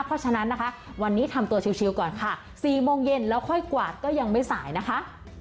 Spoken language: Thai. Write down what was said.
เพราะฉะนั้นนะคะวันนี้ทำตัวชิวก่อนค่ะ๔โมงเย็นแล้วค่อยกวาดก็ยังไม่สายนะคะ